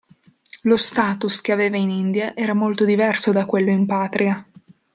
Lo status che aveva in India era molto diverso da quello in patria.